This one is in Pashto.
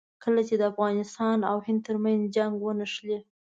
کله چې د افغانستان او هند ترمنځ جنګ ونښلي.